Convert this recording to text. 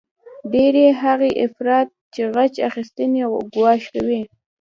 ډیری هغه افراد د غچ اخیستنې ګواښ کوي